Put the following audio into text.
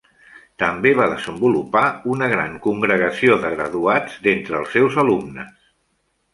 També va desenvolupar una gran congregació de graduats d'entre els seus alumnes.